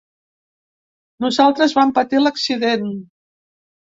Nosaltres vam patir l'accident.